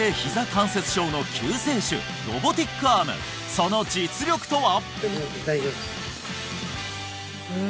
関節症の救世主ロボティックアームその実力とは？